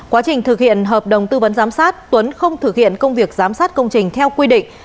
quá trình thực hiện hợp đồng tư vấn giám sát tuấn không thực hiện công việc giám sát công trình theo quy định